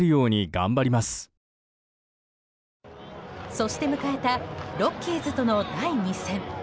そして迎えたロッキーズとの第２戦。